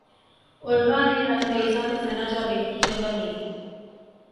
عروہ نے رنگریزا میں ثناء جاوید کی جگہ لے لی